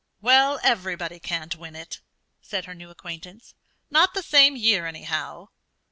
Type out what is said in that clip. "Well, everybody can't win it," said her new acquaintance. "Not the same year, anyhow!"